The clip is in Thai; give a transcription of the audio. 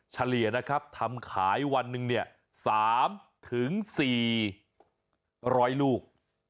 เฉลี่ยนะครับทำขายวันหนึ่งเนี่ย๓๔๐๐ลูก